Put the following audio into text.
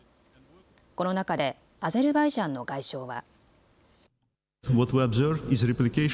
この中でアゼルバイジャンの外相は。